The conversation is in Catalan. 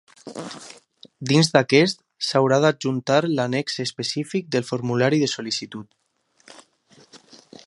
Dins d'aquest s'haurà d'adjuntar l'annex específic del formulari de sol·licitud.